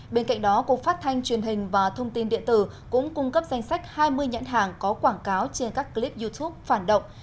bên cạnh đó cục phát thanh truyền hình và thông tin điện tử cũng cung cấp danh sách hai mươi nhãn hàng có quảng cáo trên các clip youtube phản động